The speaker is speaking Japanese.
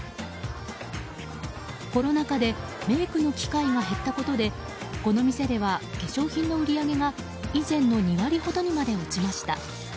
コロナ禍でメイクの機会が減ったことでこの店では化粧品の売り上げが以前の２割ほどにまで落ちました。